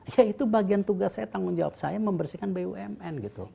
ya itu bagian tugas saya tanggung jawab saya membersihkan bumn gitu